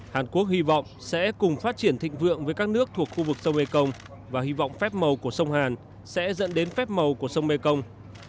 hàn quốc hy vọng sẽ cùng phát triển thịnh vượng với các nước thuộc khu vực sông mekong và hy vọng phép màu của sông hàn sẽ dẫn đến phép màu của sông mekong